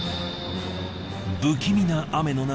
不気味な雨の中。